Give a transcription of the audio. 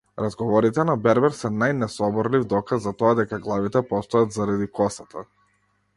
Разговорите на бербер се најнесоборлив доказ за тоа дека главите постојат заради косата.